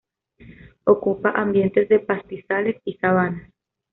Ocupa ambientes de pastizales y sabanas.